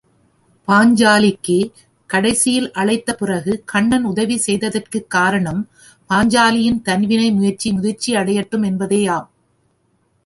பாஞ்சாலிக்கு கடைசியில் அழைத்த பிறகு, கண்ணன் உதவி செய்ததற்குக் காரணம் பாஞ்சாலியின் தன்வினை முயற்சி முதிர்ச்சியடையட்டும் என்பதனாலேயாம்.